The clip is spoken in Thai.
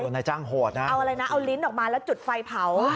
นายจ้างโหดนะเอาอะไรนะเอาลิ้นออกมาแล้วจุดไฟเผา